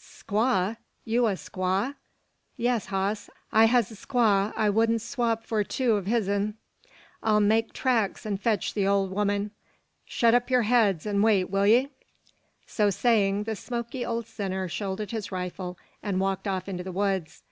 "Squaw! You a squaw?" "Yes, hoss; I has a squaw I wudn't swop for two o' his'n. I'll make tracks an' fetch the old 'oman. Shet up yur heads, an' wait, will ye?" So saying, the smoky old sinner shouldered his rifle, and walked off into the woods.